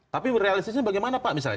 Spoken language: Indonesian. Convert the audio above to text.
tapi realistisnya bagaimana pak misalnya